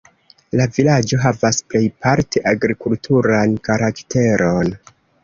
La vilaĝo havas plejparte agrikulturan karakteron.